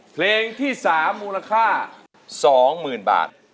เพลงที่สามมูลค่าสองหมื่นบาท